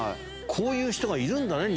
こういう人がいるんだね